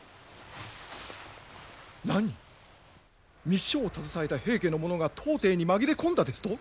密書を携えた平家の者が当邸に紛れ込んだですと！